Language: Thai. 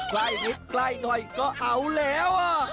ใกล้นิดใกล้หน่อยก็เอาแล้ว